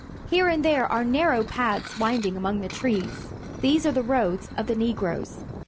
Here and there are narrow paths winding among the trees. These are the roads of the Negroes.